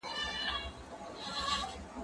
زه به سندري اورېدلي وي!.